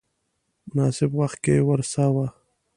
مناسب وخت کې ورساوه.